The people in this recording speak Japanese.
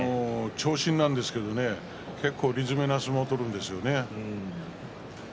長身なんですけれども結構、理詰めの相撲を取るんですよね。